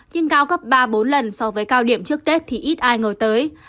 nhưng cao gấp ba bốn lần so với cao điểm trước tết thì ít ai ngờ tới